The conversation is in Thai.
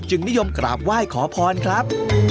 นิยมกราบไหว้ขอพรครับ